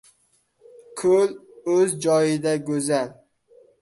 • Ko‘l o‘z joyida go‘zal.